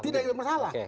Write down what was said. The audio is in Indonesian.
tidak ada yang bermasalah